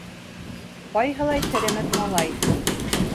— Ҡайһылай теремек малай.